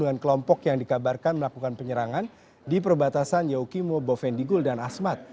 dengan kelompok yang dikabarkan melakukan penyerangan di perbatasan yaukimo bovendigul dan asmat